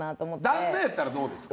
旦那やったらどうですか？